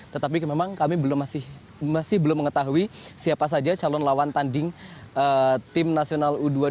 tetapi memang kami masih belum mengetahui siapa saja calon lawan tanding tim nasional u dua puluh dua